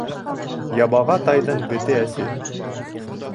Ябаға тайҙың бете әсе